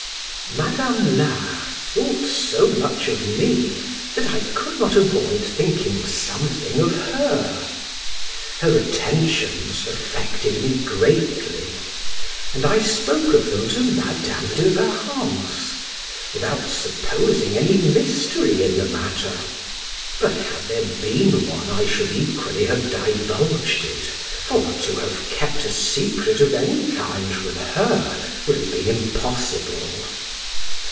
Madam Lard thought so much of me, that I could not avoid thinking something of her. Her attentions affected me greatly; and I spoke of them to Madam de Warrens, without supposing any mystery in the matter, but had there been one I should equally have divulged it, for to have kept a secret of any kind from her would have been impossible.